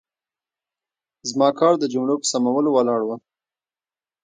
زما کار د جملو په سمولو ولاړ و.